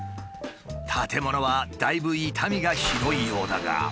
建物はだいぶ傷みがひどいようだが。